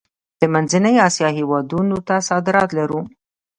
د منځنۍ اسیا هیوادونو ته صادرات لرو؟